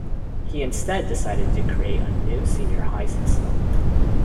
He instead decided to create a new senior high system.